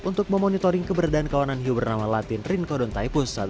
untuk memonitoring keberadaan kawanan hiu bernama latin rinkodon taipus